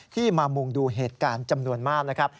ที่มามุงดูเหตุการณ์จำนวนมากนะครับ